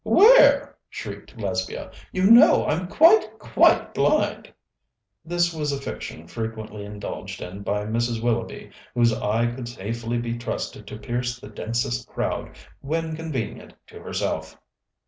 "Where?" shrieked Lesbia. "You know, I'm quite, quite blind!" This was a fiction frequently indulged in by Mrs. Willoughby, whose eye could safely be trusted to pierce the densest crowd when convenient to herself.